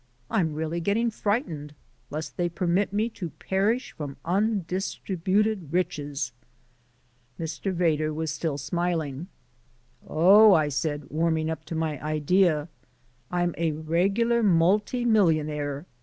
I'm really getting frightened, lest they permit me to perish from undistributed riches!" Mr. Vedder was still smiling. "Oh," I said, warming up to my idea, "I'm a regular multimillionaire.